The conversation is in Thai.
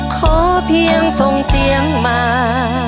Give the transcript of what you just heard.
ขอเพียงส่งเสียงมา